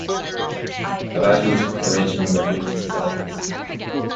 Avadhoot arranged a number of remixes albums.